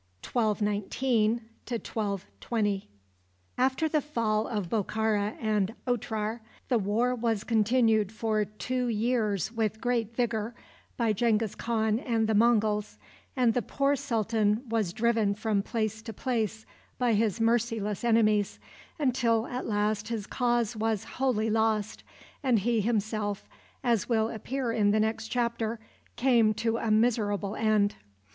The governor's family. Kojend surrendered. After the fall of Bokhara and Otrar, the war was continued for two years with great vigor by Genghis Khan and the Monguls, and the poor sultan was driven from place to place by his merciless enemies, until at last his cause was wholly lost, and he himself, as will appear in the next chapter, came to a miserable end.